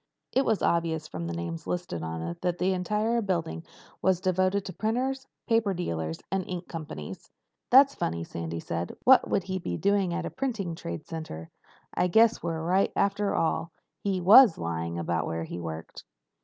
It was obvious from the names listed on it that the entire building was devoted to printers, paper dealers, and ink companies. "That's funny," Sandy said. "What would he be doing at a printing trade center? I guess you were right after all. He was lying about where he worked."